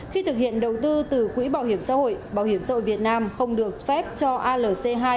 khi thực hiện đầu tư từ quỹ bảo hiểm xã hội bảo hiểm xã hội việt nam không được phép cho alc hai